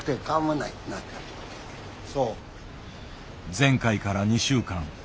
前回から２週間。